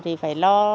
thì phải lo